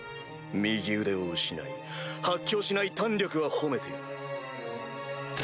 右腕を失い発狂しない胆力は褒めてやる。